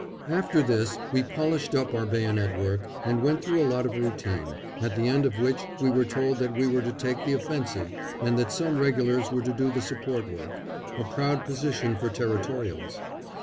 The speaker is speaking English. After this we polished up our bayonet work and went through a lot of routine, at the end of which we were told that we were to take the offensive and that some Regulars were to do the support work a proud position for Territorials.